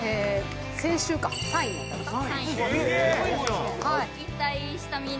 先週か３位になったんですよ」